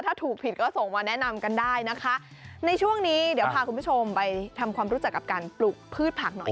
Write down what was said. ถ้าถูกผิดก็ส่งมาแนะนำกันได้นะคะในช่วงนี้เดี๋ยวพาคุณผู้ชมไปทำความรู้จักกับการปลูกพืชผักหน่อย